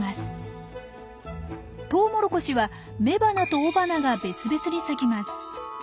トウモロコシは雌花と雄花が別々に咲きます。